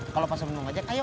kalau pas menunggu ojek ayo